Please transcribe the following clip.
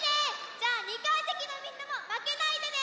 じゃあ２かいせきのみんなもまけないでね！